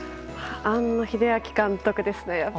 庵野秀明監督ですね。